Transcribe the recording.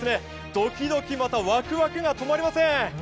ドキドキ、またワクワクが止まりません。